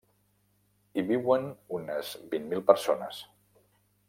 Hi viuen unes vint mil persones.